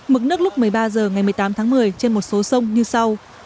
mức nước lúc một mươi ba h ngày một mươi tám tháng một mươi trên một số sông như sau